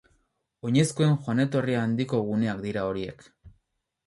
Oinezkoen joan-etorri handiko guneak dira horiek.